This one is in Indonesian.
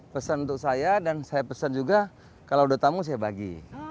pesan untuk saya dan saya pesan juga kalau udah tamu saya bagi